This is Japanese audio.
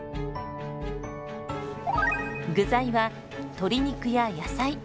具材は鶏肉や野菜。